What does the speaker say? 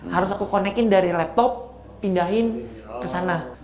harus aku connect in dari laptop pindahin kesana